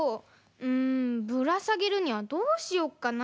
んぶらさげるにはどうしようかな？